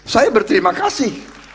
saya berterima kasih